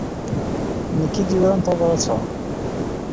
D nekk ay d-yuran tabṛat-a.